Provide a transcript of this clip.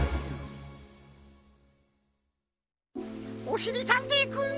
おしりたんていくん！